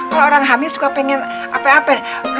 kalo orang hamil suka pengen apa apa